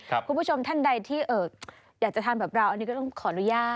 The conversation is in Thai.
คุณผู้ชมท่านใดที่อยากจะทำแบบเราอันนี้ก็ต้องขออนุญาต